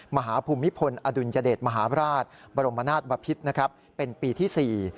ภูมิพลอดุลยเดชมหาบราชบรมนาศบพิษนะครับเป็นปีที่๔